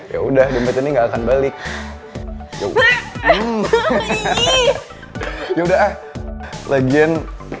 ya udah gempet ini gak akan balik yaudah ah legen